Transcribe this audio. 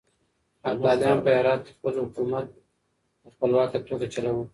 ابداليانو په هرات کې خپل حکومت په خپلواکه توګه چلاوه.